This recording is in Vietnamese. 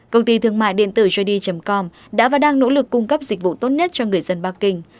công ty thương mại điện tử gd com đã và đang nỗ lực cung cấp dịch vụ tốt nhất cho người dân bắc kinh